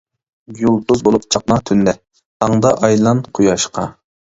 يۇلتۇز بولۇپ چاقنا تۈندە، تاڭدا ئايلان قۇياشقا.